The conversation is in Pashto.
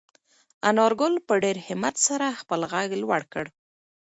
انارګل په ډېر همت سره خپل غږ لوړ کړ.